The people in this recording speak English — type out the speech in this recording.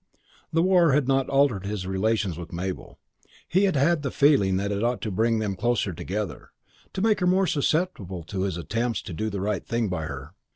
The war had not altered his relations with Mabel. He had had the feeling that it ought to bring them closer together, to make her more susceptible to his attempts to do the right thing by her.